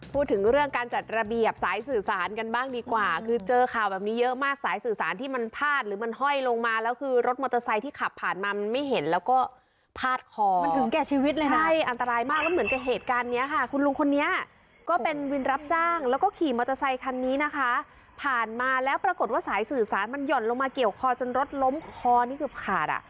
พูดถึงเรื่องการจัดระเบียบสายสื่อสารกันบ้างดีกว่าคือเจอข่าวแบบนี้เยอะมากสายสื่อสารที่มันพลาดหรือมันห้อยลงมาแล้วคือรถมอเตอร์ไซค์ที่ขับผ่านมามันไม่เห็นแล้วก็พลาดคอมันถึงแก่ชีวิตเลยนะใช่อันตรายมากแล้วเหมือนกับเหตุการณ์เนี้ยค่ะคุณลุงคนนี้ก็เป็นวินรับจ้างแล้วก็ขี่มอเตอร์ไซค